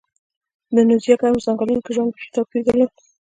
د اندونیزیا ګرمو ځنګلونو کې ژوند بېخي توپیر درلود.